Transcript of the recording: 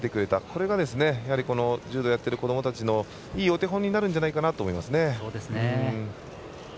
これがやはり柔道やっている子どもたちのいいお手本になるんじゃないかなと思います。